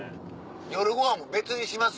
夜ごはん別にします？